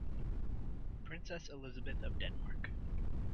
Princess Elisabeth of Denmark.